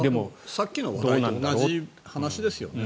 さっきの話題と同じ話ですよね。